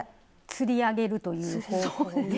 つり上げるという方法で。